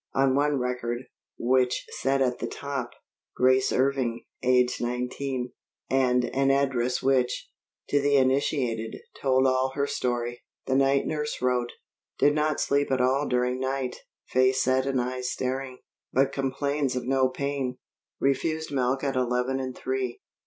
On one record, which said at the top, "Grace Irving, age 19," and an address which, to the initiated, told all her story, the night nurse wrote: "Did not sleep at all during night. Face set and eyes staring, but complains of no pain. Refused milk at eleven and three."